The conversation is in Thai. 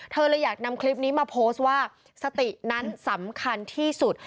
เธอเลยอยากนำคลิปนี้มาโพสต์ว่าสตินั้นสำคัญที่สุด